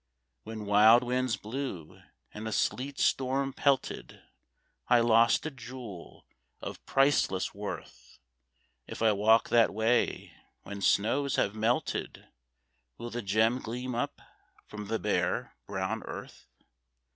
When wild winds blew, and a sleet storm pelted, I lost a jewel of priceless worth; If I walk that way when snows have melted, Will the gem gleam up from the bare, brown Earth?